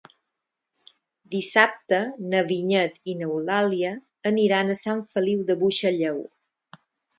Dissabte na Vinyet i n'Eulàlia aniran a Sant Feliu de Buixalleu.